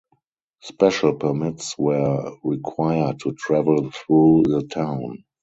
Special permits were required to travel through the town.